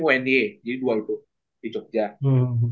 unda jadi dua utuh